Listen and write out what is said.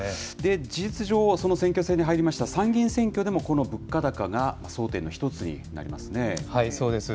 事実上は選挙戦に入りました参議院選挙でもこの物価高が争点の一そうです。